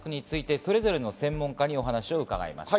それぞれの専門家にお話を伺いました。